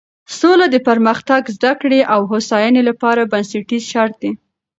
سوله د پرمختګ، زده کړې او هوساینې لپاره بنسټیز شرط دی.